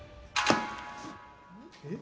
えっ？